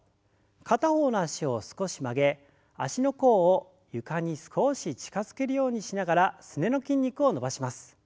片方の脚を少し曲げ足の甲を床に少し近づけるようにしながらすねの筋肉を伸ばします。